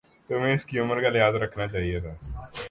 تمہیں اسکی عمر کا لحاظ رکھنا چاہیۓ تھا